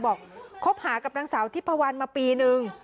คบหากับนางสาวทิพวันมาปีนึง